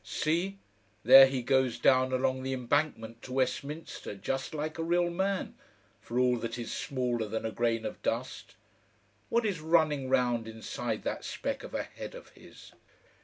See! There he goes down along the Embankment to Westminster just like a real man, for all that he's smaller than a grain of dust. What is running round inside that speck of a head of his?